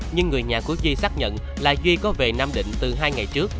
nhưng người nhà của chi xác nhận là duy có về nam định từ hai ngày trước